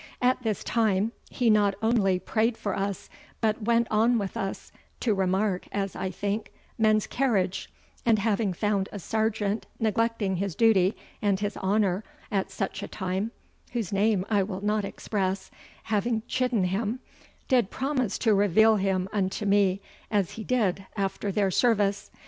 At this time he not onely prayed for us, but went on with us, to remarke, as I thinke, men's carriage; and having found a sergeant neglecting his dutie and his honour at such a time (whose name I will not expresse), having chidden him, did promise to reveale him unto me, as he did after their service.